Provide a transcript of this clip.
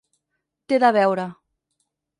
T'he de veure.